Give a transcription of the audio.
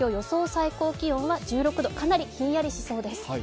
最高気温は１６度、かなりひんやりしそうです。